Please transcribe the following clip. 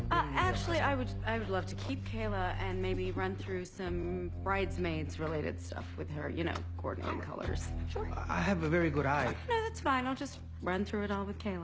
それでは。